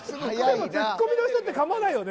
ツッコミの人ってかまないよね。